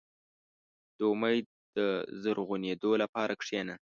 • د امید د زرغونېدو لپاره کښېنه.